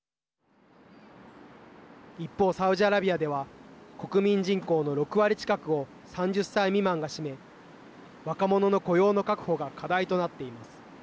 一方、サウジアラビアでは国民人口の６割近くを３０歳未満が占め若者の雇用の確保が課題となっています。